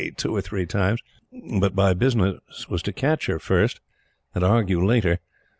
two or three times; but my business was to catch her first, and argue later.